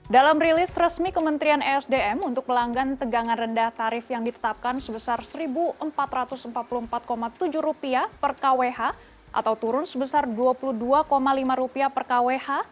dalam rilis resmi kementerian esdm untuk pelanggan tegangan rendah tarif yang ditetapkan sebesar rp satu empat ratus empat puluh empat tujuh per kwh atau turun sebesar rp dua puluh dua lima per kwh